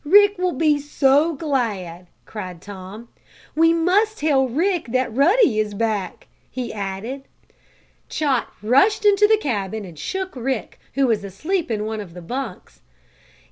Rick will be so glad!" cried Tom. "We must tell Rick that Ruddy is back!" he added. Chot rushed into the cabin and shook Rick, who was asleep in one of the bunks.